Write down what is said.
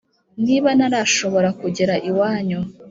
niba narashobora kugera iwanyu